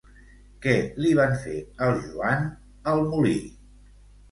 Què li van fer al Joan al molí?